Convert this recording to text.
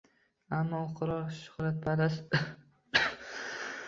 Ammo u qirol, shuhratparast, piyonista va korchalon singari tentak emas.